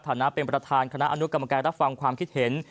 ฐานะเป็นประธานคณะอนุกรรมการรับฟังความคิดเห็น